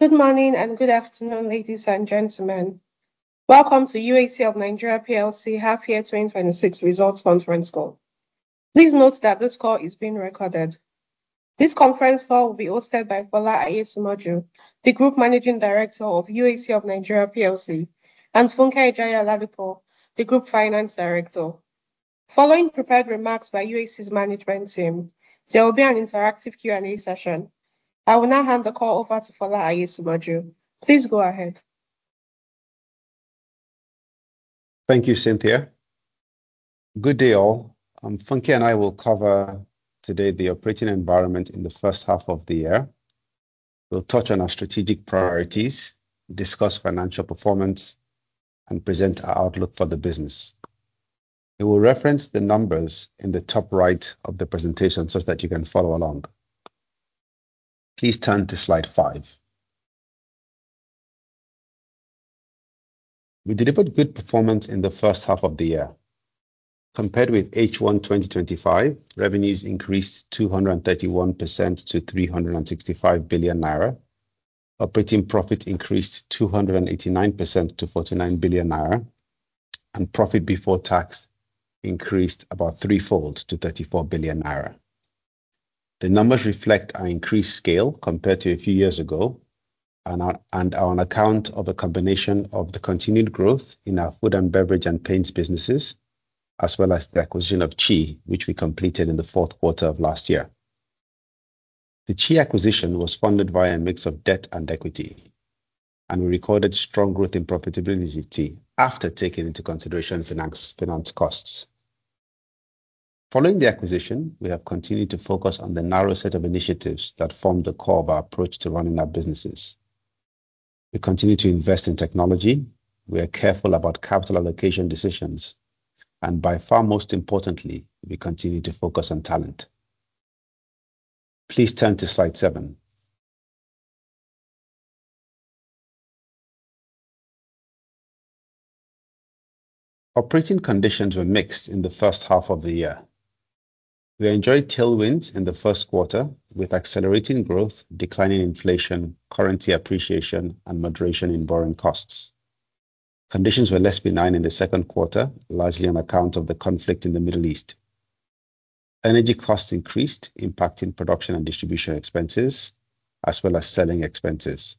Good morning, and good afternoon, ladies and gentlemen. Welcome to UAC of Nigeria PLC half year 2026 results conference call. Please note that this call is being recorded. This conference call will be hosted by Fola Aiyesimoju, the Group Managing Director of UAC of Nigeria PLC, and Funke Ijaiya-Oladipo, the Group Finance Director. Following prepared remarks by UAC's management team, there will be an interactive Q&A session. I will now hand the call over to Fola Aiyesimoju. Please go ahead. Thank you, Cynthia. Good day all. Funke and I will cover today the operating environment in the first half of the year. We'll touch on our strategic priorities, discuss financial performance, and present our outlook for the business. It will reference the numbers in the top right of the presentation such that you can follow along. Please turn to slide five. We delivered good performance in the first half of the year. Compared with H1 2025, revenues increased 231% to 365 billion naira. Operating profit increased 289% to 49 billion naira, and profit before tax increased about three-fold to 34 billion naira. The numbers reflect our increased scale compared to a few years ago, and are on account of a combination of the continued growth in our food and beverage and paints businesses, as well as the acquisition of CHI, which we completed in the fourth quarter of last year. The CHI acquisition was funded via a mix of debt and equity, and we recorded strong growth in profitability after taking into consideration finance costs. Following the acquisition, we have continued to focus on the narrow set of initiatives that form the core of our approach to running our businesses. We continue to invest in technology. We are careful about capital allocation decisions, and by far most importantly, we continue to focus on talent. Please turn to slide seven. Operating conditions were mixed in the first half of the year. We enjoyed tailwinds in the first quarter with accelerating growth, declining inflation, currency appreciation, and moderation in borrowing costs. Conditions were less benign in the second quarter, largely on account of the conflict in the Middle East. Energy costs increased, impacting production and distribution expenses, as well as selling expenses.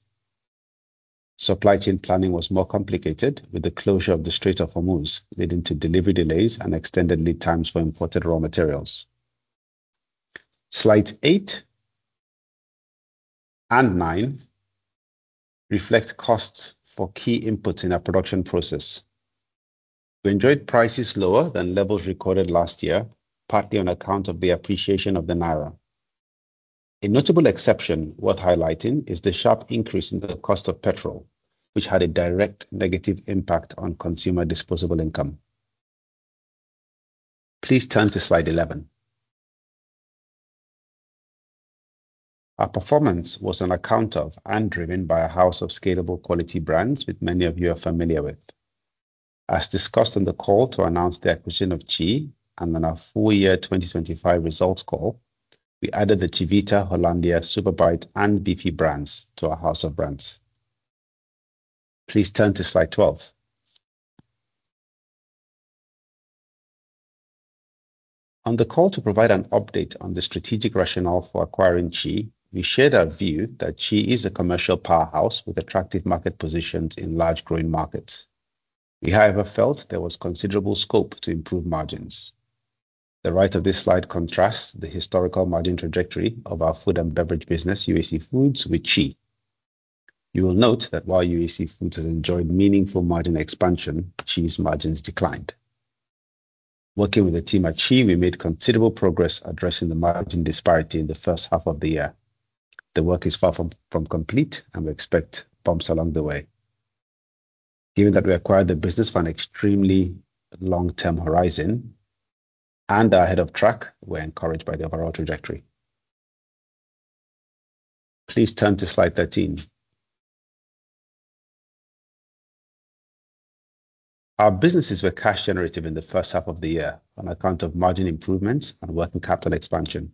Supply chain planning was more complicated with the closure of the Strait of Hormuz, leading to delivery delays and extended lead times for imported raw materials. Slide eight and nine reflect costs for key inputs in our production process. We enjoyed prices lower than levels recorded last year, partly on account of the appreciation of the naira. A notable exception worth highlighting is the sharp increase in the cost of petrol, which had a direct negative impact on consumer disposable income. Please turn to slide 11. Our performance was on account of and driven by a house of scalable quality brands, which many of you are familiar with. As discussed on the call to announce the acquisition of CHI and on our full year 2025 results call, we added the Chivita, Hollandia, SuperBite and Beefie brands to our house of brands. Please turn to slide 12. On the call to provide an update on the strategic rationale for acquiring CHI, we shared our view that CHI is a commercial powerhouse with attractive market positions in large growing markets. We, however, felt there was considerable scope to improve margins. The right of this slide contrasts the historical margin trajectory of our food and beverage business, UAC Foods, with CHI. You will note that while UAC Foods has enjoyed meaningful margin expansion, CHI's margins declined. Working with the team at CHI, we made considerable progress addressing the margin disparity in the first half of the year. The work is far from complete, and we expect bumps along the way. Given that we acquired the business for an extremely long-term horizon and are ahead of track, we're encouraged by the overall trajectory. Please turn to slide 13. Our businesses were cash generative in the first half of the year on account of margin improvements and working capital expansion.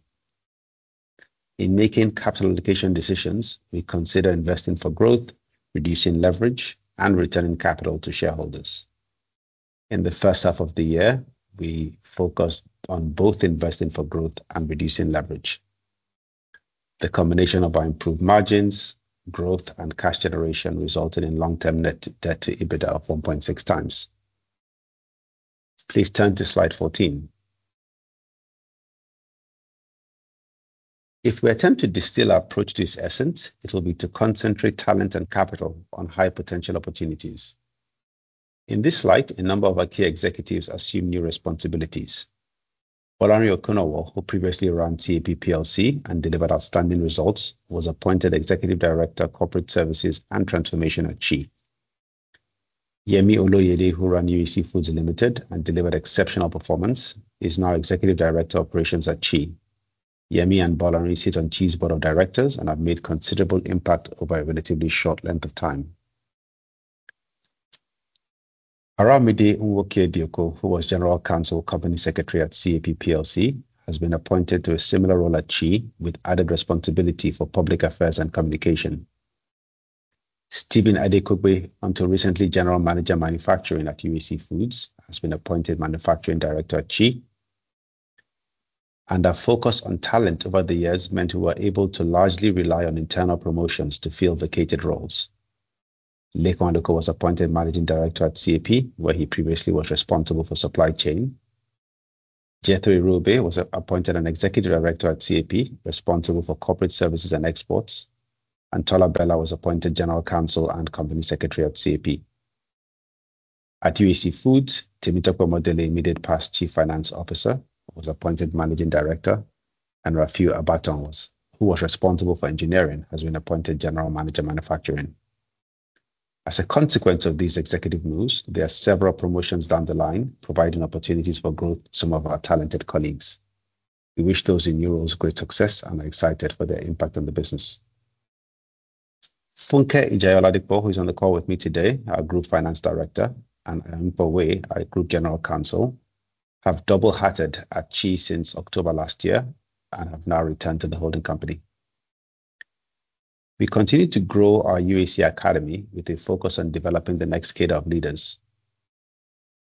In making capital allocation decisions, we consider investing for growth, reducing leverage, and returning capital to shareholders. In the first half of the year, we focused on both investing for growth and reducing leverage. The combination of our improved margins, growth, and cash generation resulted in long-term net debt to EBITDA of 1.6 times. Please turn to slide 14. If we attempt to distill our approach to its essence, it will be to concentrate talent and capital on high potential opportunities. In this slide, a number of our key executives assume new responsibilities. Bolarin Okunowo, who previously ran CAP PLC and delivered outstanding results, was appointed Executive Director, Corporate Services and Transformation at CHI. Yemi Oloyede, who ran UAC Foods Limited and delivered exceptional performance, is now Executive Director, Operations at CHI. Yemi and Bolarin sit on CHI's board of directors and have made considerable impact over a relatively short length of time. Aramide Nwokediuko, who was General Counsel and Company Secretary at CAP PLC, has been appointed to a similar role at CHI, with added responsibility for public affairs and communication. Steven Adekunle, until recently General Manager, Manufacturing at UAC Foods, has been appointed Manufacturing Director at CHI. Our focus on talent over the years meant we were able to largely rely on internal promotions to fill vacated roles. Lekan Adekoya was appointed Managing Director at CAP, where he previously was responsible for supply chain. Jethro Iruobe was appointed an Executive Director at CAP, responsible for corporate services and exports. Tola Bella was appointed General Counsel and Company Secretary at CAP. At UAC Foods, Temitope Omodele, immediate past Chief Finance Officer, was appointed Managing Director. Rafiu Abatan, who was responsible for engineering, has been appointed General Manager, Manufacturing. As a consequence of these executive moves, there are several promotions down the line, providing opportunities for growth to some of our talented colleagues. We wish those in new roles great success and are excited for their impact on the business. Funke Ijaiya-Oladipo, who is on the call with me today, our Group Finance Director, and Ayomipo Wey, our Group General Counsel, have double-hatted at CHI since October last year and have now returned to the holding company. We continue to grow our UAC Academy with a focus on developing the next cadre of leaders.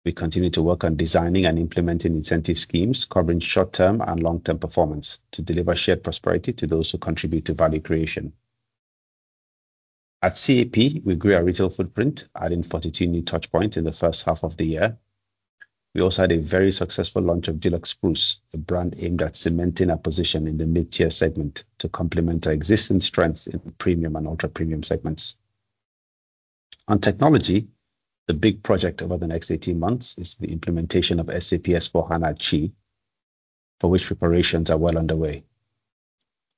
We continue to work on designing and implementing incentive schemes, covering short-term and long-term performance, to deliver shared prosperity to those who contribute to value creation. At CAP, we grew our retail footprint, adding 42 new touchpoints in the first half of the year. We also had a very successful launch of Dulux Spruce, a brand aimed at cementing our position in the mid-tier segment to complement our existing strengths in the premium and ultra-premium segments. On technology, the big project over the next 18 months is the implementation of SAP S/4HANA at Chi, for which preparations are well underway.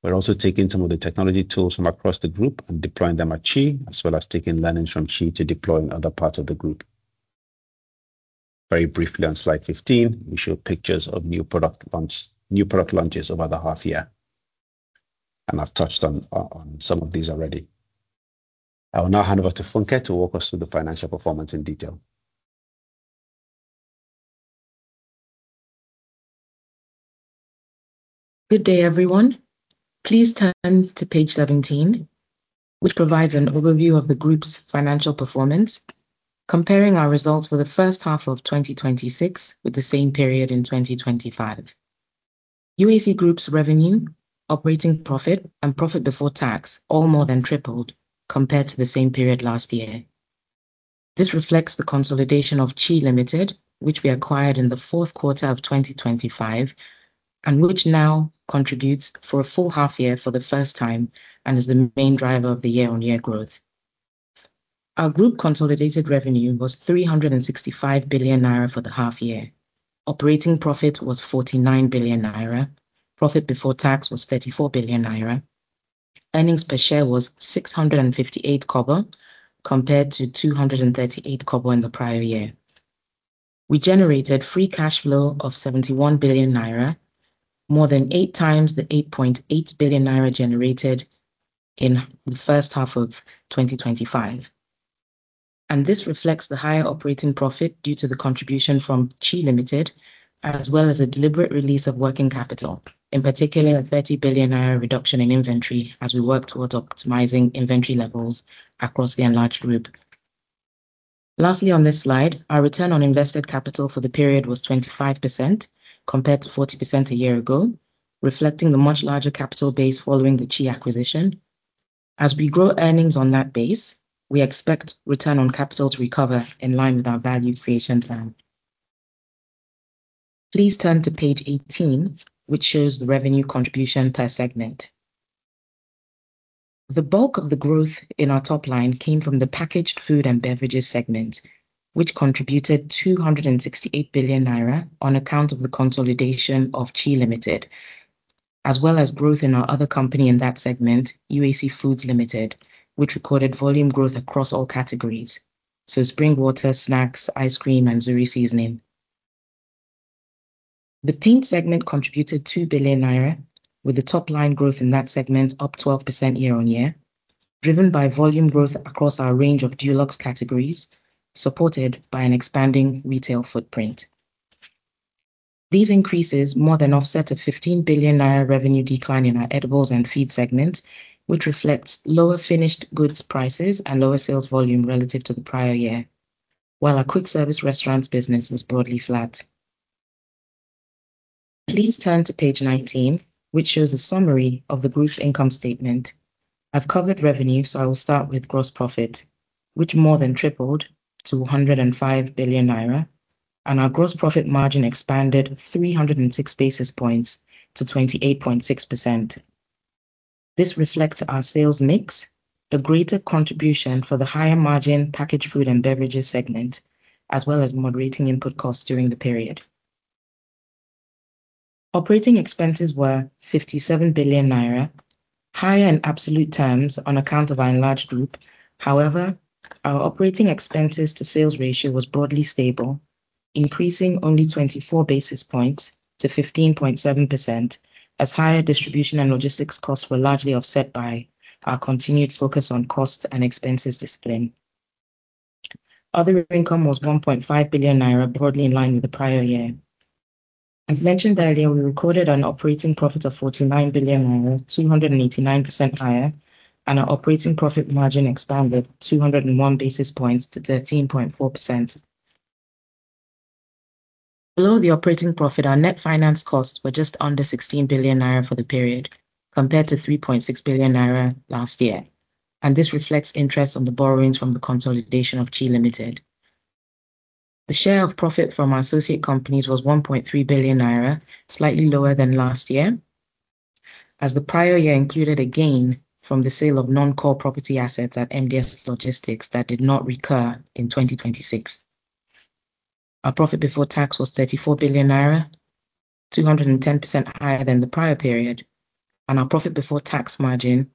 We're also taking some of the technology tools from across the group and deploying them at Chi, as well as taking learnings from Chi to deploy in other parts of the group. Very briefly on slide 15, we show pictures of new product launches over the half year, and I've touched on some of these already. I will now hand over to Funke to walk us through the financial performance in detail. Good day, everyone. Please turn to page 17, which provides an overview of the group's financial performance, comparing our results for the first half of 2026 with the same period in 2025. UAC Group's revenue, operating profit, and profit before tax all more than tripled compared to the same period last year. This reflects the consolidation of CHI Limited, which we acquired in the fourth quarter of 2025, and which now contributes for a full half year for the first time and is the main driver of the year-on-year growth. Our group consolidated revenue was 365 billion naira for the half year. Operating profit was 49 billion naira. Profit before tax was 34 billion naira. Earnings per share was 6.58, compared to 2.38 in the prior year. We generated free cash flow of 71 billion naira, more than eight times the 8.8 billion naira generated in the first half of 2025. This reflects the higher operating profit due to the contribution from CHI Limited, as well as a deliberate release of working capital, in particular, a NGN 30 billion reduction in inventory as we work towards optimizing inventory levels across the enlarged group. Lastly, on this slide, our return on invested capital for the period was 25% compared to 40% a year ago, reflecting the much larger capital base following the Chi acquisition. As we grow earnings on that base, we expect return on capital to recover in line with our value creation plan. Please turn to page 18, which shows the revenue contribution per segment. The bulk of the growth in our top line came from the packaged food and beverages segment, which contributed 268 billion naira on account of the consolidation of CHI Limited, as well as growth in our other company in that segment, UAC Foods Limited, which recorded volume growth across all categories, so spring water, snacks, ice cream, and Zuri Seasoning. The paint segment contributed 2 billion naira with the top line growth in that segment up 12% year-on-year, driven by volume growth across our range of Dulux categories, supported by an expanding retail footprint. These increases more than offset a 15 billion naira revenue decline in our edibles and feed segment, which reflects lower finished goods prices and lower sales volume relative to the prior year, while our quick service restaurants business was broadly flat. Please turn to page 19, which shows a summary of the group's income statement. I've covered revenue. I will start with gross profit, which more than tripled to 105 billion naira, and our gross profit margin expanded 306 basis points to 28.6%. This reflects our sales mix, a greater contribution for the higher margin packaged food and beverages segment, as well as moderating input costs during the period. Operating expenses were 57 billion naira, higher in absolute terms on account of our enlarged group. However, our operating expenses to sales ratio was broadly stable increasing only 24 basis points to 15.7%, as higher distribution and logistics costs were largely offset by our continued focus on costs and expenses discipline. Other income was 1.5 billion naira, broadly in line with the prior year. As mentioned earlier, we recorded an operating profit of 49 billion naira, 289% higher, and our operating profit margin expanded 201 basis points to 13.4%. Below the operating profit, our net finance costs were just under 16 billion naira for the period, compared to 3.6 billion naira last year. This reflects interest on the borrowings from the consolidation of CHI Limited. The share of profit from our associate companies was 1.3 billion naira, slightly lower than last year, as the prior year included a gain from the sale of non-core property assets at MDS Logistics that did not recur in 2026. Our profit before tax was 34 billion naira, 210% higher than the prior period, and our profit before tax margin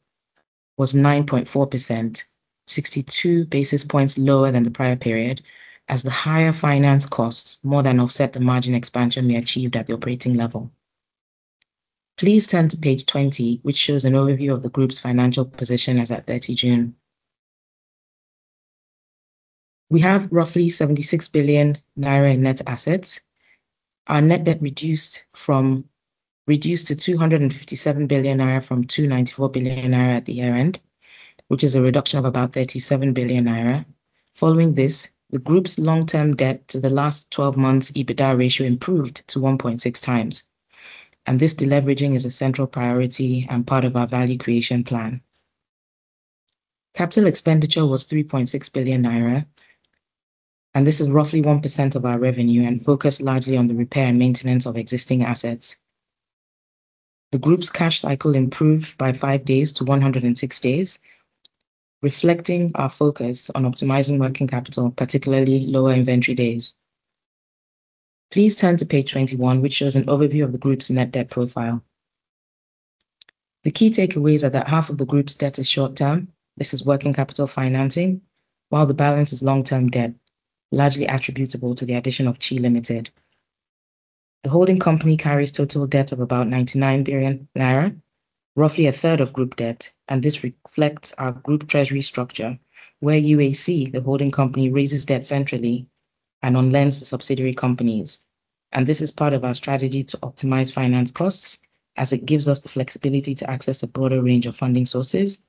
was 9.4%, 62 basis points lower than the prior period, as the higher finance costs more than offset the margin expansion we achieved at the operating level. Please turn to page 20, which shows an overview of the group's financial position as at 30 June. We have roughly 76 billion naira in net assets. Our net debt reduced to 257 billion naira from 294 billion naira at the year-end, which is a reduction of about 37 billion naira. Following this, the group's long-term debt to the last 12 months EBITDA ratio improved to 1.6 times. This de-leveraging is a central priority and part of our value creation plan. Capital expenditure was 3.6 billion naira, and this is roughly 1% of our revenue and focused largely on the repair and maintenance of existing assets. The group's cash cycle improved by five days to 106 days, reflecting our focus on optimizing working capital, particularly lower inventory days. Please turn to page 21, which shows an overview of the group's net debt profile. The key takeaways are that half of the group's debt is short-term. This is working capital financing, while the balance is long-term debt, largely attributable to the addition of CHI Limited. The holding company carries total debt of about 99 billion naira, roughly a third of group debt. This reflects our group treasury structure, where UAC, the holding company, raises debt centrally and on lends to subsidiary companies. This is part of our strategy to optimize finance costs, as it gives us the flexibility to access a broader range of funding sources.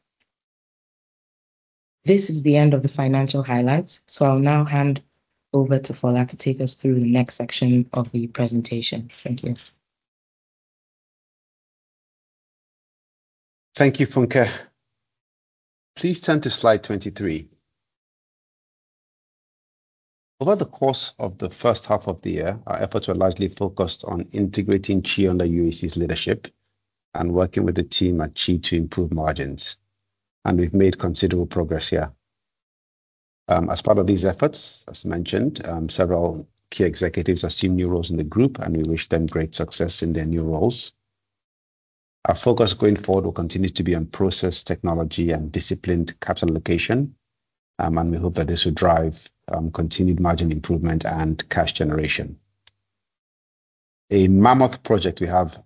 This is the end of the financial highlights. I'll now hand over to Fola to take us through the next section of the presentation. Thank you. Thank you, Funke. Please turn to slide 23. Over the course of the first half of the year, our efforts were largely focused on integrating CHI under UAC's leadership and working with the team at CHI to improve margins. We've made considerable progress here. As part of these efforts, as mentioned, several key executives assumed new roles in the group. We wish them great success in their new roles. Our focus going forward will continue to be on process technology and disciplined capital allocation. We hope that this will drive continued margin improvement and cash generation. A mammoth project we have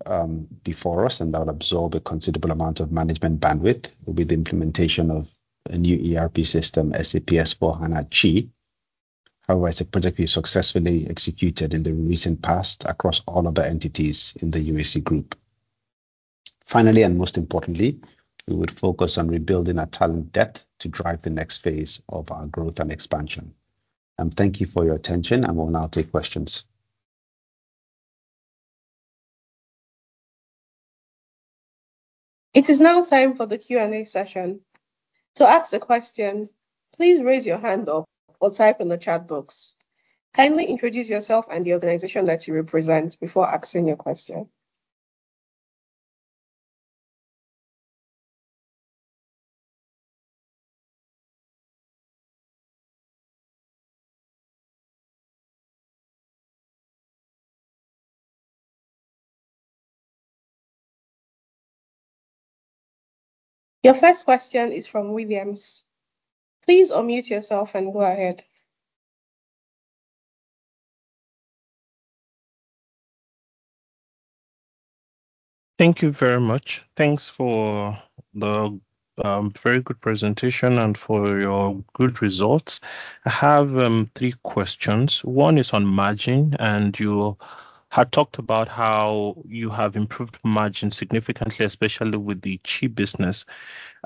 before us, that will absorb a considerable amount of management bandwidth, will be the implementation of a new ERP system, SAP S/4HANA CHI. However, it's a project we've successfully executed in the recent past across all other entities in the UAC group. Finally, most importantly, we will focus on rebuilding our talent depth to drive the next phase of our growth and expansion. Thank you for your attention. We'll now take questions. It is now time for the Q&A session. To ask a question, please raise your hand or type in the chat box. Kindly introduce yourself and the organization that you represent before asking your question. Your first question is from William. Please unmute yourself and go ahead. Thank you very much. Thanks for the very good presentation and for your good results. I have three questions. One is on margin. You had talked about how you have improved margin significantly, especially with the CHI business.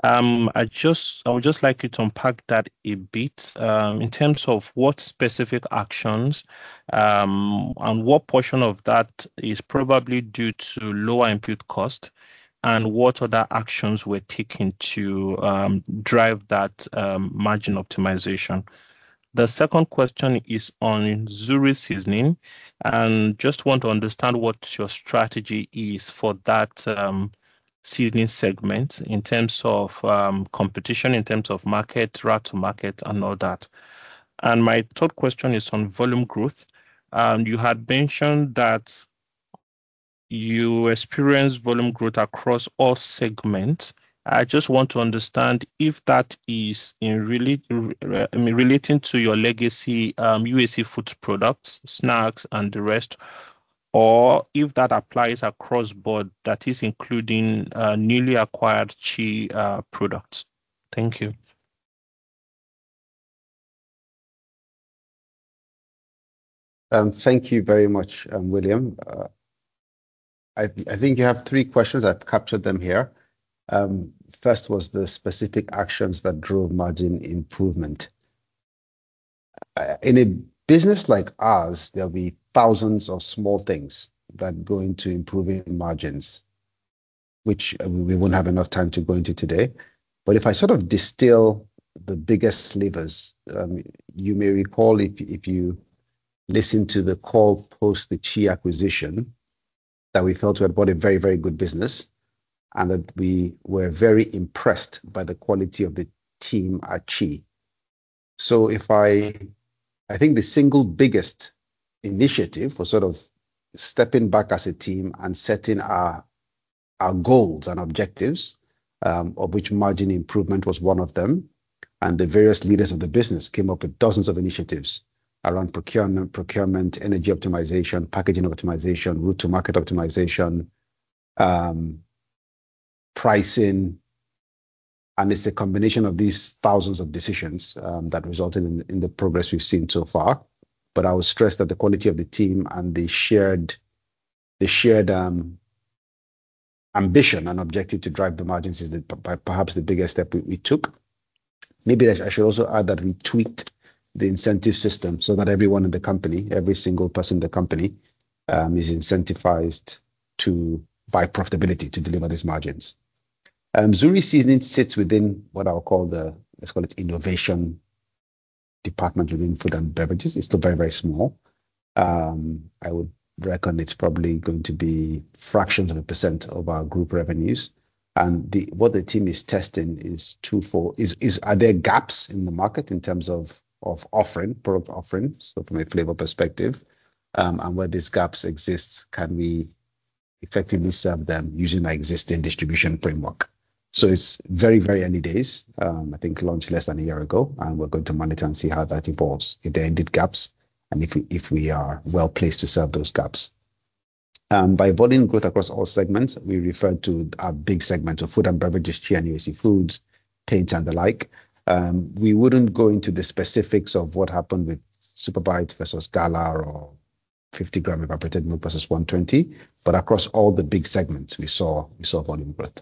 I would just like you to unpack that a bit in terms of what specific actions, what portion of that is probably due to lower input cost, and what other actions we're taking to drive that margin optimization. The second question is on Zuri Seasoning. Just want to understand what your strategy is for that seasoning segment in terms of competition, in terms of market, route to market and all that. My third question is on volume growth. You had mentioned that You experience volume growth across all segments. I just want to understand if that is relating to your legacy, UAC food products, snacks, and the rest, or if that applies across board, that is including newly acquired CHI products. Thank you. Thank you very much, William. I think you have three questions. I've captured them here. First was the specific actions that drove margin improvement. In a business like ours, there'll be thousands of small things that go into improving margins, which we won't have enough time to go into today. If I sort of distill the biggest levers, you may recall if you listen to the call post the CHI acquisition, that we felt we had bought a very, very good business, and that we were very impressed by the quality of the team at CHI. I think the single biggest initiative was sort of stepping back as a team and setting our goals and objectives, of which margin improvement was one of them, and the various leaders of the business came up with dozens of initiatives around procurement, energy optimization, packaging optimization, route to market optimization, pricing. It's a combination of these thousands of decisions that resulted in the progress we've seen so far. I would stress that the quality of the team and the shared ambition and objective to drive the margins is perhaps the biggest step we took. Maybe I should also add that we tweaked the incentive system so that everyone in the company, every single person in the company, is incentivized to, by profitability, to deliver these margins. Zuri Seasoning sits within what I would call the, let's call it innovation department within food and beverages. It's still very, very small. I would reckon it's probably going to be fractions of a percent of our group revenues. What the team is testing is twofold. Are there gaps in the market in terms of offering, product offerings, so from a flavor perspective? Where these gaps exist, can we effectively serve them using our existing distribution framework? It's very, very early days. I think it launched less than a year ago, and we're going to monitor and see how that evolves if there indeed gaps, and if we are well-placed to serve those gaps. By volume growth across all segments, we refer to our big segment of food and beverages, CHI and UAC Foods, paints and the like. We wouldn't go into the specifics of what happened with SuperBite versus Gala or 50 gram evaporated milk versus 120, across all the big segments, we saw volume growth.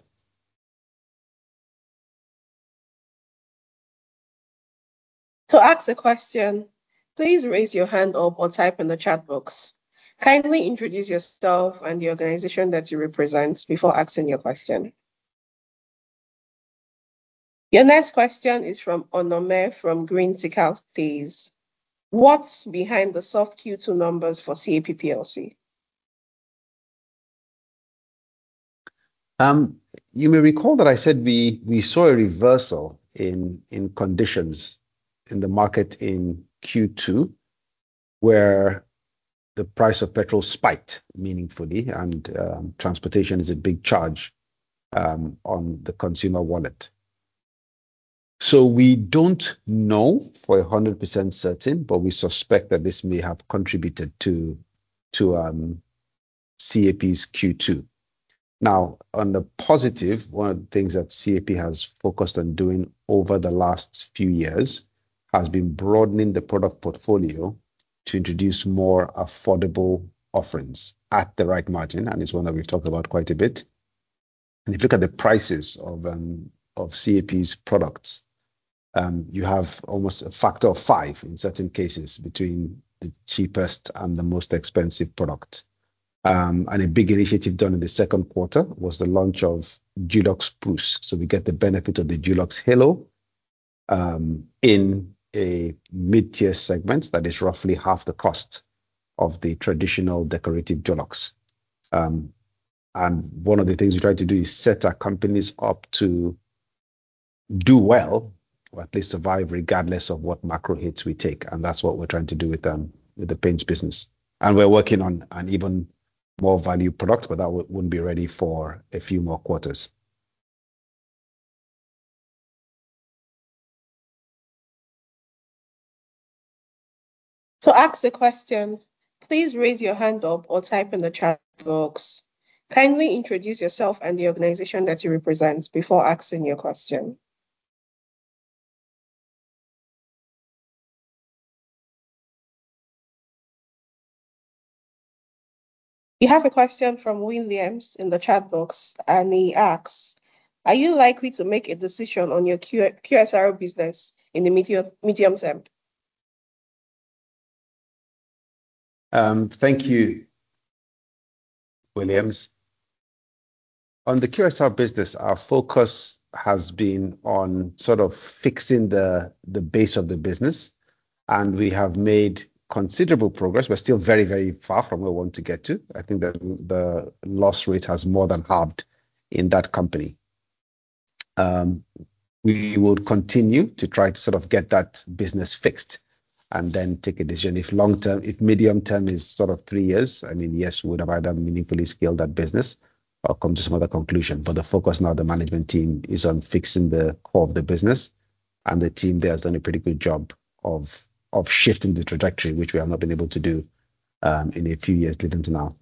To ask a question, please raise your hand up or type in the chat box. Kindly introduce yourself and the organization that you represent before asking your question. Your next question is from Onome from Greenwich Trust Limited. What's behind the soft Q2 numbers for CAP Plc? You may recall that I said we saw a reversal in conditions in the market in Q2, where the price of petrol spiked meaningfully and transportation is a big charge on the consumer wallet. We don't know for 100% certain, but we suspect that this may have contributed to CAP's Q2. On the positive, one of the things that CAP has focused on doing over the last few years has been broadening the product portfolio to introduce more affordable offerings at the right margin, and it's one that we've talked about quite a bit. If you look at the prices of CAP's products, you have almost a factor of five in certain cases between the cheapest and the most expensive product. A big initiative done in the second quarter was the launch of Dulux Spruce. We get the benefit of the Dulux halo in a mid-tier segment that is roughly half the cost of the traditional decorative Dulux. One of the things we try to do is set our companies up to do well or at least survive regardless of what macro hits we take, and that's what we're trying to do with the paints business. We're working on an even more value product, but that won't be ready for a few more quarters. To ask a question, please raise your hand up or type in the chat box. Kindly introduce yourself and the organization that you represent before asking your question. We have a question from William in the chat box. He asks, "Are you likely to make a decision on your QSR business in the medium term? Thank you, William. On the QSR business, our focus has been on sort of fixing the base of the business, and we have made considerable progress. We are still very, very far from where we want to get to. I think that the loss rate has more than halved in that company. We will continue to try to get that business fixed and then take a decision. If medium term is three years, yes, we would have either meaningfully scaled that business or come to some other conclusion. The focus now of the management team is on fixing the core of the business, and the team there has done a pretty good job of shifting the trajectory, which we have not been able to do in a few years leading to now.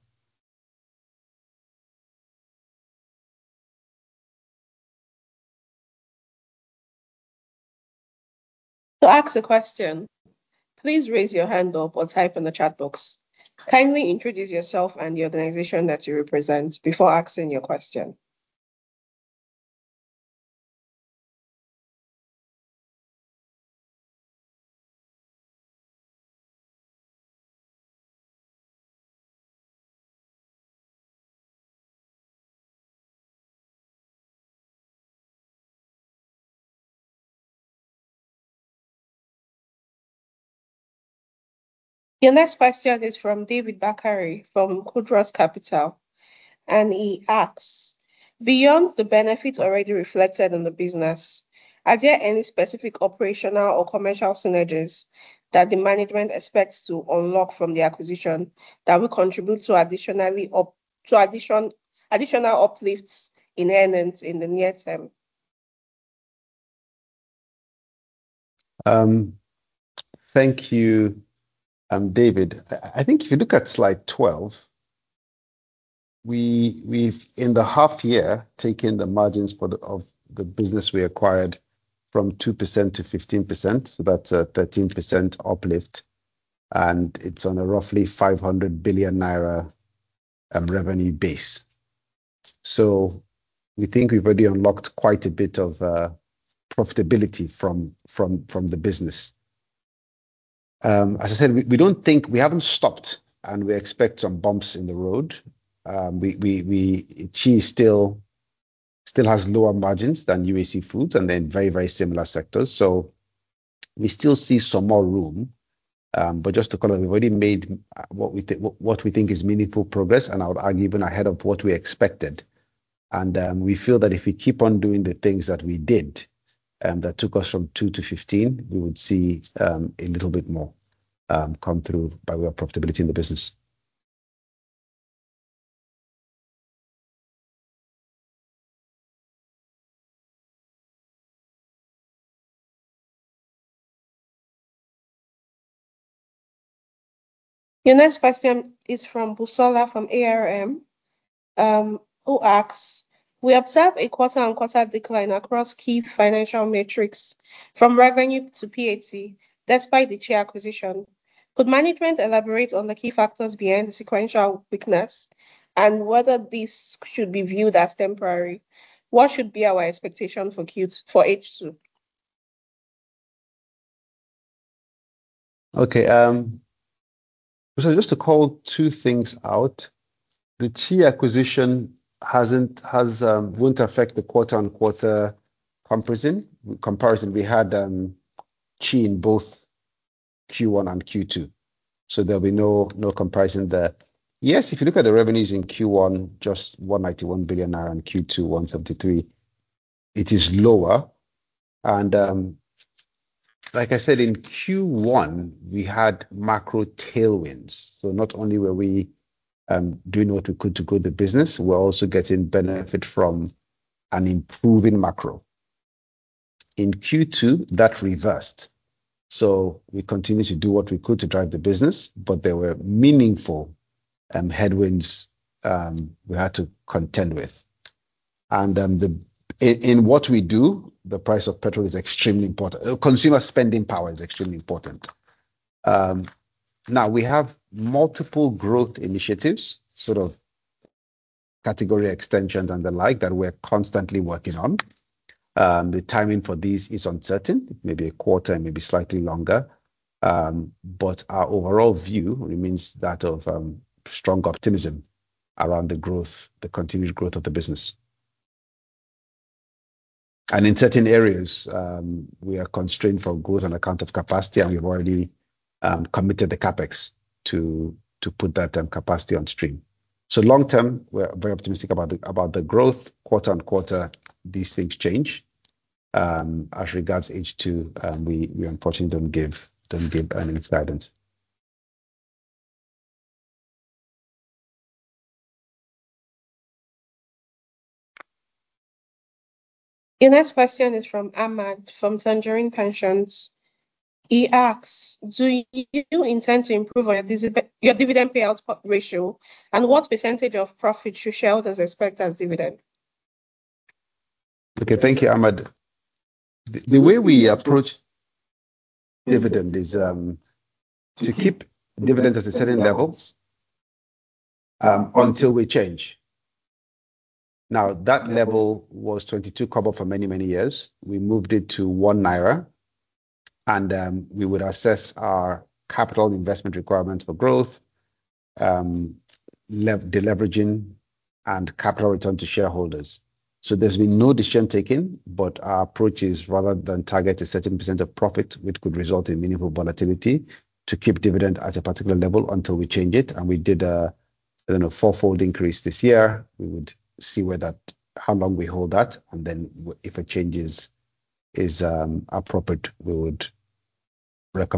To ask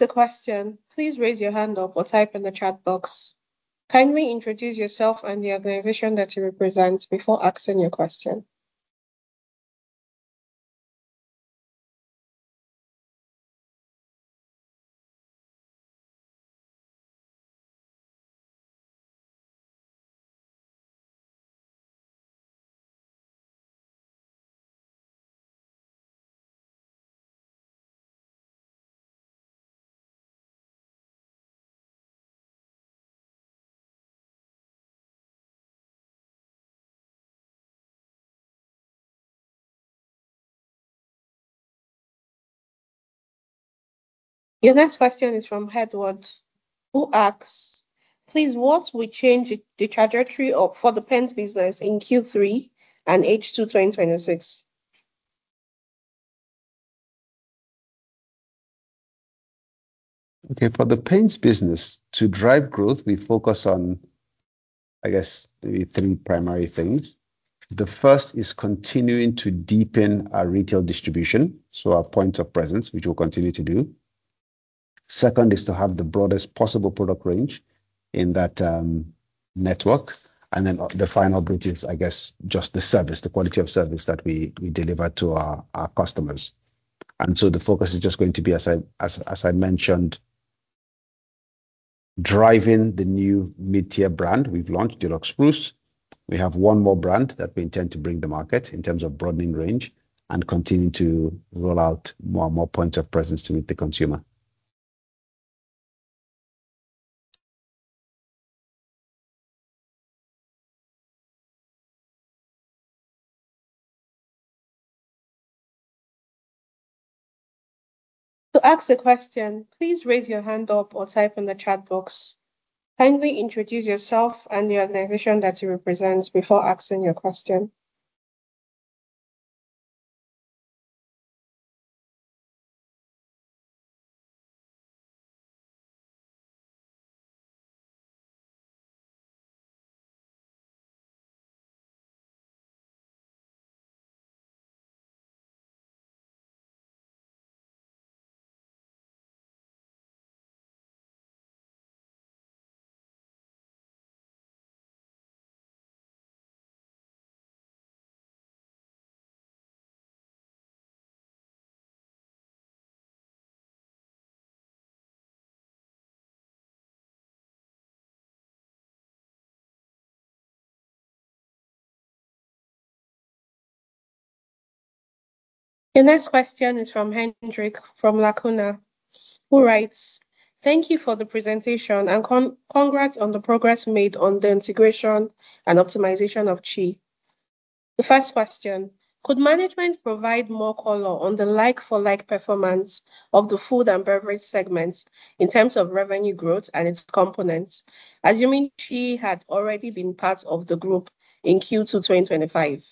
a question, please raise your hand up or type in the chat box. Kindly introduce yourself and the organization that you represent before asking your question. Second is to have the broadest possible product range in that network. The final bit is, I guess, just the service, the quality of service that we deliver to our customers. The focus is just going to be, as I mentioned, driving the new mid-tier brand we've launched, Dulux Spruce. We have one more brand that we intend to bring to market in terms of broadening range and continuing to roll out more points of presence to meet the consumer. To ask a question, please raise your hand up or type in the chat box. Kindly introduce yourself and the organization that you represent before asking your question. The next question is from Hendrick, from Lacuna, who writes, "Thank you for the presentation, and congrats on the progress made on the integration and optimization of CHI. The first question, could management provide more color on the like-for-like performance of the food and beverage segments in terms of revenue growth and its components, assuming CHI had already been part of the group in Q2 2025?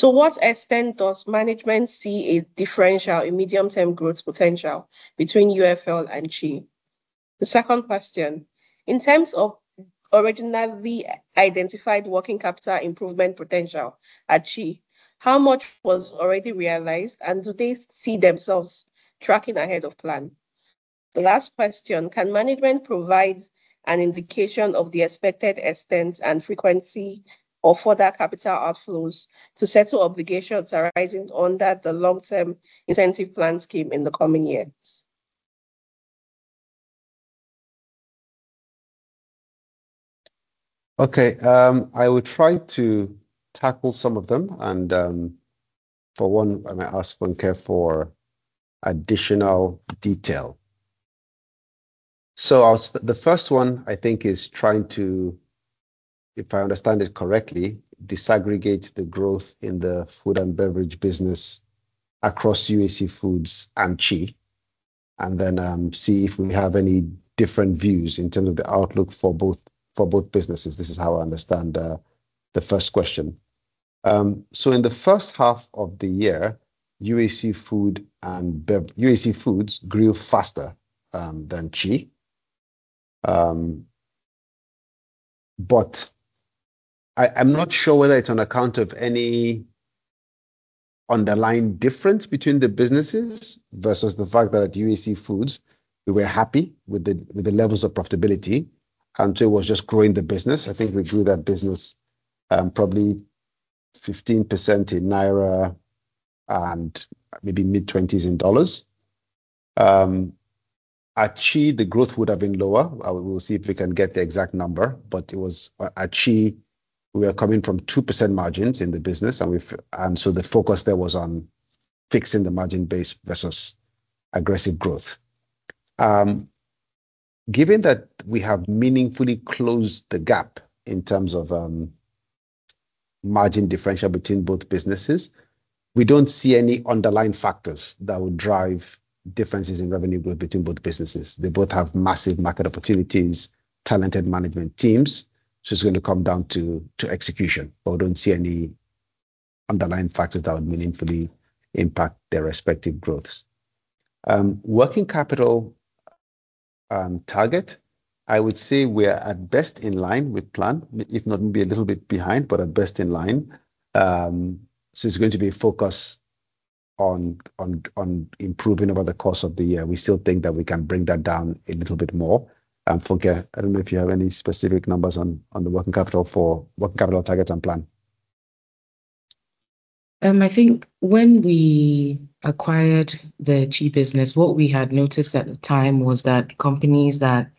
What extent does management see a differential in medium-term growth potential between UFL and CHI? The second question, in terms of originally identified working capital improvement potential at CHI, how much was already realized? Do they see themselves tracking ahead of plan? The last question, can management provide an indication of the expected extent and frequency of further capital outflows to settle obligations arising under the long-term incentive plan scheme in the coming years? Okay. I will try to tackle some of them. For one, I might ask Funke for additional detail. The first one, I think, is trying to, if I understand it correctly, disaggregate the growth in the food and beverage business across UAC Foods and CHI, and then see if we have any different views in terms of the outlook for both businesses. This is how I understand the first question. In the first half of the year, UAC Foods grew faster than CHI. I'm not sure whether it's on account of any underlying difference between the businesses versus the fact that at UAC Foods, we were happy with the levels of profitability, and two, was just growing the business. I think we grew that business probably 15% in NGN and maybe mid-20s in USD. At CHI, the growth would have been lower. We will see if we can get the exact number. At CHI, we are coming from 2% margins in the business. The focus there was on fixing the margin base versus aggressive growth. Given that we have meaningfully closed the gap in terms of margin differential between both businesses. We don't see any underlying factors that would drive differences in revenue growth between both businesses. They both have massive market opportunities, talented management teams. It's going to come down to execution, but we don't see any underlying factors that would meaningfully impact their respective growths. Working capital target, I would say we are at best in line with plan, if not maybe a little bit behind, but at best in line. It's going to be a focus on improving over the course of the year. We still think that we can bring that down a little bit more. Funke, I don't know if you have any specific numbers on the working capital for working capital targets and plan. I think when we acquired the CHI business, what we had noticed at the time was that companies that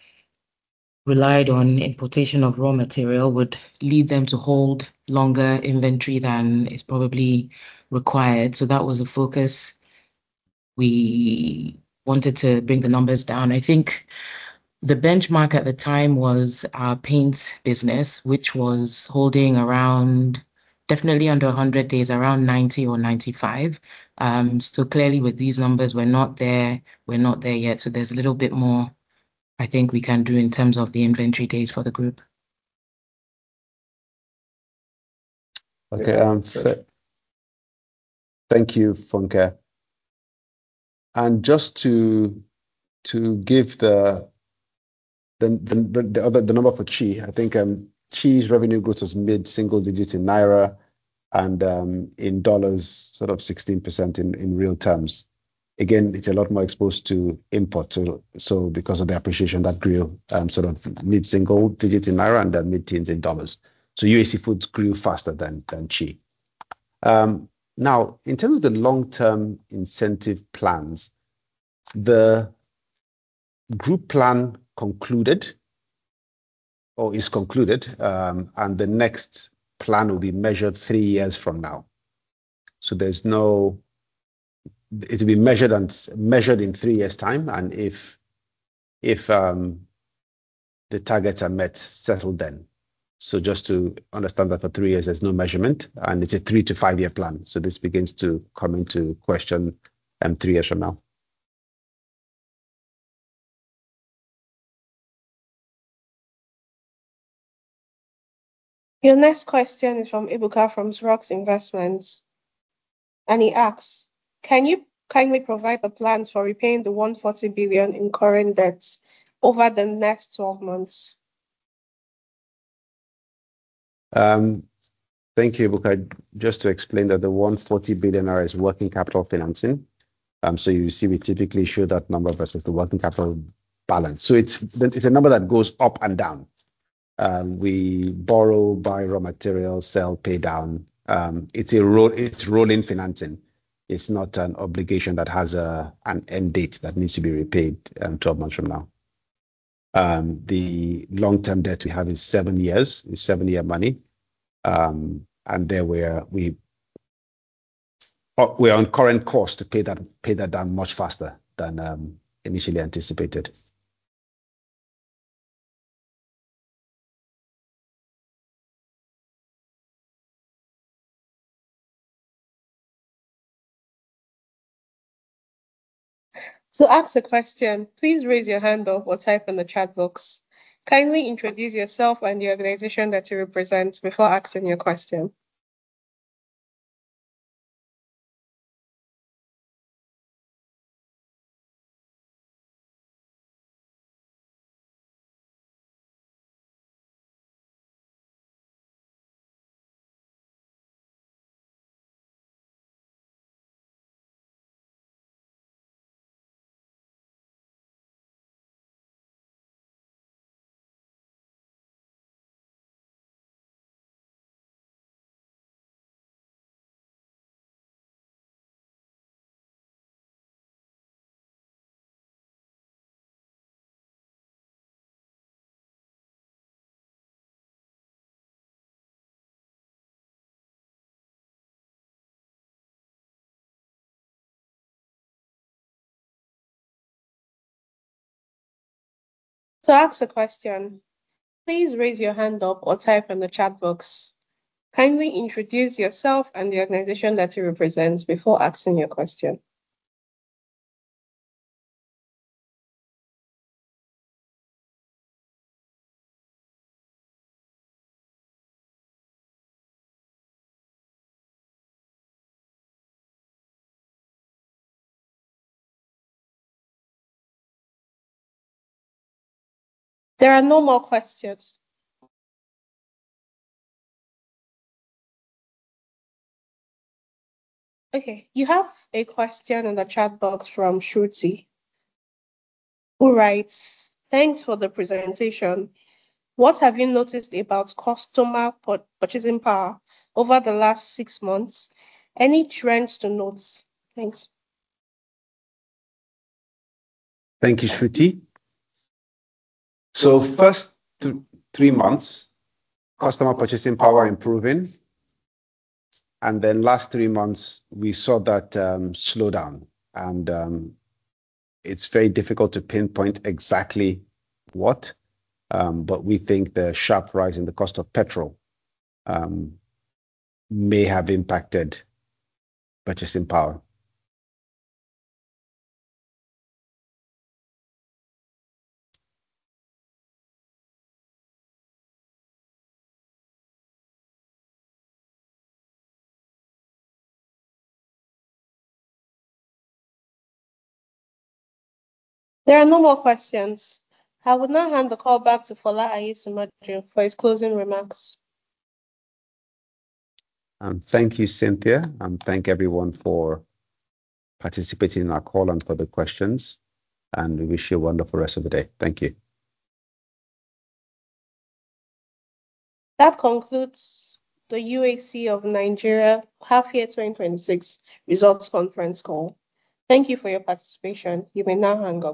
relied on importation of raw material would lead them to hold longer inventory than is probably required. That was a focus. We wanted to bring the numbers down. I think the benchmark at the time was our paint business, which was holding around definitely under 100 days, around 90 or 95. Clearly with these numbers, we're not there yet. There's a little bit more I think we can do in terms of the inventory days for the group. Thank you, Funke. Just to give the number for Chi, I think Chi's revenue growth was mid-single digits in NGN and in USD, sort of 16% in real terms. Again, it's a lot more exposed to import. Because of the appreciation that grew sort of mid-single digit in NGN and then mid-teens in USD. UAC Foods grew faster than Chi. In terms of the long-term incentive plans, the group plan concluded or is concluded, and the next plan will be measured 3 years from now. It'll be measured in 3 years' time, and if the targets are met, settled then. Just to understand that for 3 years there's no measurement, and it's a 3- to 5-year plan. This begins to come into question 3 years from now. Your next question is from Ibuka from Srox Investments. He asks, "Can you kindly provide the plans for repaying the 140 billion in current debts over the next 12 months? Thank you, Ibuka. Just to explain that the 140 billion is working capital financing. You see we typically show that number versus the working capital balance. It's a number that goes up and down. We borrow, buy raw materials, sell, pay down. It's rolling financing. It's not an obligation that has an end date that needs to be repaid 12 months from now. The long-term debt we have is 7 years. It's 7-year money. There we are on current course to pay that down much faster than initially anticipated. To ask a question, please raise your hand up or type in the chat box. Kindly introduce yourself and the organization that you represent before asking your question. There are no more questions. You have a question in the chat box from Shruti who writes, "Thanks for the presentation. What have you noticed about customer purchasing power over the last 6 months? Any trends to note? Thanks. Thank you, Shruti. First three months, customer purchasing power improving, then last three months, we saw that slow down. It's very difficult to pinpoint exactly what, but we think the sharp rise in the cost of petrol may have impacted purchasing power. There are no more questions. I will now hand the call back to Fola Aiyesimoju for his closing remarks. Thank you, Cynthia, thank everyone for participating in our call for the questions, we wish you a wonderful rest of the day. Thank you. That concludes the UAC of Nigeria half year 2026 results conference call. Thank you for your participation. You may now hang up.